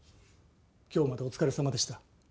今日までお疲れさまでした。